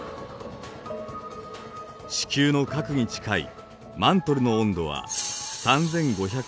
地球の核に近いマントルの温度は３，５００度ほどです。